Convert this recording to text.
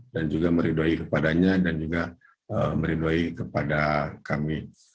dan juga meriduai kepadanya dan juga meriduai kepada kami